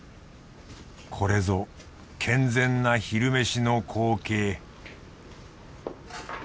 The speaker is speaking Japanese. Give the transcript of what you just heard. これぞ健全な昼飯の光景